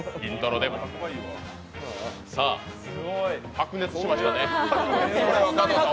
白熱しましたね。